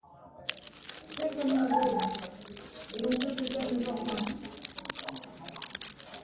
Frais comme une rose !… et l’on veut que j’aime le genre humain !